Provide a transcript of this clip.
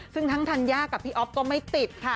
ซึ่งทั้งธัญญากับพี่อ๊อฟก็ไม่ติดค่ะ